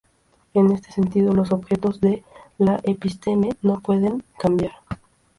En este sentido, los objetos de la episteme no pueden cambiar.